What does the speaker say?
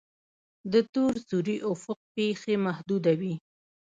د تور سوري افق پیښې محدوده وي.